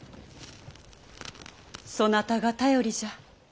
そなたが頼りじゃ。